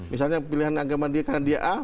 misalnya pilihan agama dia karena dia a